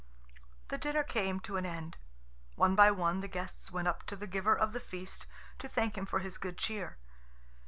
The dinner came to an end. One by one the guests went up to the giver of the feast to thank him for his good cheer.